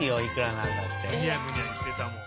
むにゃむにゃいってたもん。